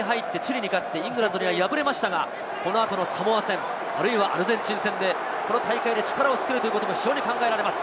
大会に入って、チリに勝って、イングランドに敗れましたが、その後のサモア戦、あるいはアルゼンチン戦でこの大会で力をつけるということが非常に考えられます。